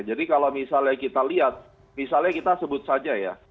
jadi kalau misalnya kita lihat misalnya kita sebut saja ya